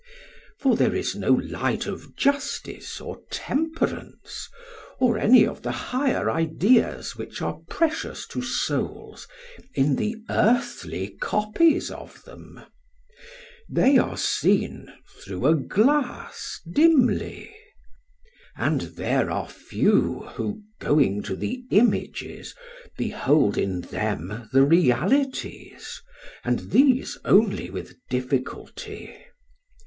For there is no light of justice or temperance or any of the higher ideas which are precious to souls in the earthly copies of them: they are seen through a glass dimly; and there are few who, going to the images, behold in them the realities, and these only with difficulty.